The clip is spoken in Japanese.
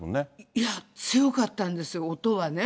いや、強かったんです、音はね。